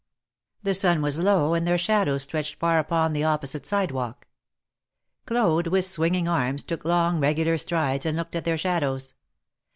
The sun was low, and their shadows stretched far upon the opposite sidewalk. Claude, with swinging arms, took long, regular strides, and looked at their shadows.